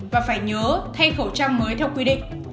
và phải nhớ thay khẩu trang mới theo quy định